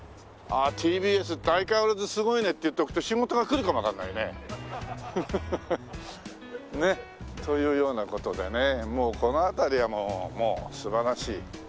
ＴＢＳって相変わらずすごいねって言っとくと仕事がくるかもわかんないね。というような事でねもうこの辺りは素晴らしい。